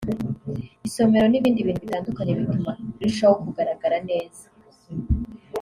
isomero n’ibindi bintu bitandukanye bituma irushaho kugaragara neza